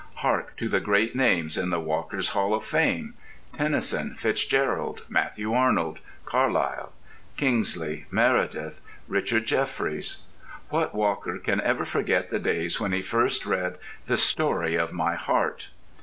Hark to the great names in the walker's Hall of Fame: Tennyson, FitzGerald, Matthew Arnold, Carlyle, Kingsley, Meredith, Richard Jefferies. What walker can ever forget the day when he first read "The Story of My Heart?"